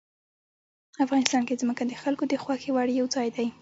افغانستان کې ځمکه د خلکو د خوښې وړ یو ځای دی.